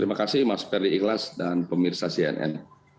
terima kasih mas ferry ikhlas dan pemirsa cnn